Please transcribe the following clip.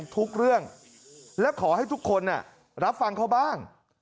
ทุกเรื่องและขอให้ทุกคนรับฟังเขาบ้าง